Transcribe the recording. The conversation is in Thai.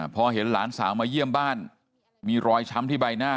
พอเห็นหลานสาวมาเยี่ยมบ้านมีรอยช้ำที่ใบหน้า